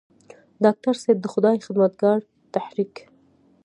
ډاکټر صېب د خدائ خدمتګار تحريک